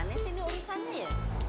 gimana sih ini urusannya ya